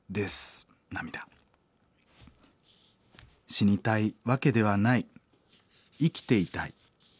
死にたいわけではない生きていたい。